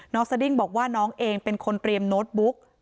สดิ้งบอกว่าน้องเองเป็นคนเตรียมโน้ตบุ๊ก